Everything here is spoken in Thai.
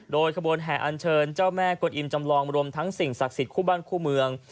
โดยขบวนแห่อันเชิญเจ้าแม่กวนอิมจำลองรวมทั้งสิ่งศักดิ์สิทธิ์คู่บ้านคู่เมือง